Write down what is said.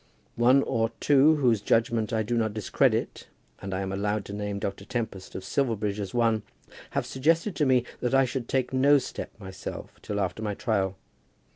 One or two whose judgment I do not discredit, and I am allowed to name Dr. Tempest of Silverbridge as one, have suggested to me that I should take no step myself till after my trial.